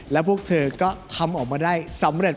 แล้วพวกเธอก็ทำออกมาได้สำเร็จ